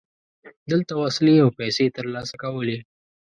دلته وسلې او پیسې ترلاسه کولې.